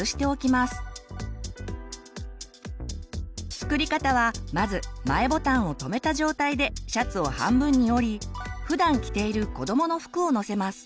作り方はまず前ボタンを留めた状態でシャツを半分に折りふだん着ているこどもの服を載せます。